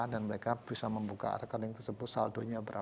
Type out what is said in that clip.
dan mereka bisa membuka rekening tersebut saldonya berapa